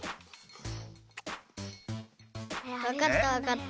わかったわかった。